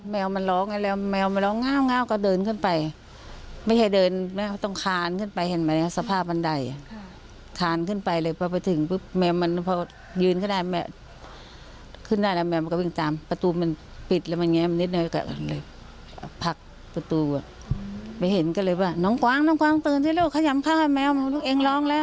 แมวมันร้องไงแล้วแมวมันร้องง่าวก็เดินขึ้นไปไม่ใช่เดินแล้วต้องคานขึ้นไปเห็นไหมสภาพบันไดคานขึ้นไปเลยพอไปถึงปุ๊บแมวมันพอยืนก็ได้แมวขึ้นได้แล้วแมวมันก็วิ่งตามประตูมันปิดแล้วมันแง้มนิดนึงก็เลยผลักประตูอ่ะไปเห็นก็เลยว่าน้องกวางน้องกวางปืนสิลูกขยำข้าวให้แมวลูกเองร้องแล้ว